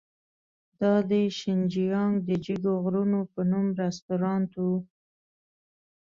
دا د شینجیانګ د جګو غرونو په نوم رستورانت و.